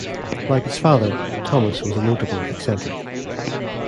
Like his father, Thomas was a notable eccentric.